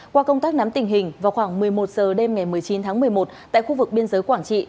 qua công tác nắm tình hình vào khoảng một mươi một h đêm ngày một mươi chín tháng một mươi một tại khu vực biên giới quảng trị